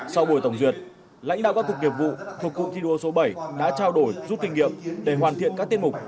sau buổi tổng duyệt lãnh đạo các cục nghiệp vụ thuộc cụm thi đua số bảy đã trao đổi giúp kinh nghiệm để hoàn thiện các tiết mục